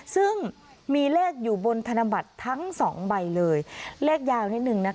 ซึ่งมีเลขอยู่บนธนบัตรทั้งสองใบเลยเลขยาวนิดนึงนะคะ